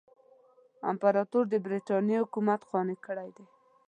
امپراطور د برټانیې حکومت قانع کړی دی.